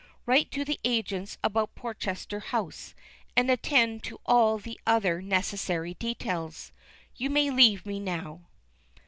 Write to the agents about Portchester House, and attend to all the other necessary details. You may leave me now."